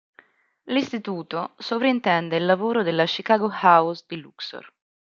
L'Istituto sovrintende il lavoro della "Chicago House" di Luxor.